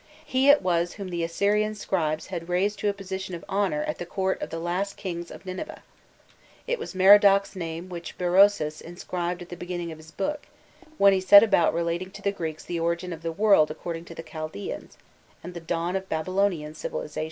He it was whom the Assyrian scribes had raised to a position of honour at the court of the last kings of Nineveh: it was Merodach's name which Berossus inscribed at the beginning of his book, when he set about relating to the Greeks the origin of the world according to the Chaldeans, and the dawn of Babylonian civilization.